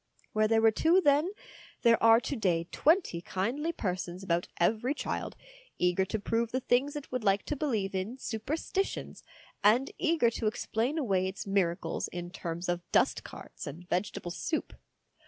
Where there were two then, there are to day twenty kindly persons about every child, eager to prove the things it would like to believe in superstitions, and eager to explain away its miracles in terms of dustcarts and vegetable soup.